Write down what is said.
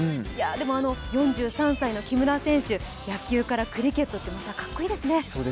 でも、４３歳の木村選手、野球からクリケットってまた、かっこいいですね。